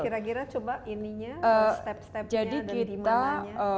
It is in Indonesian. kira kira coba ininya step stepnya dan dimananya